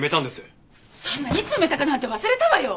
そんないつ埋めたかなんて忘れたわよ！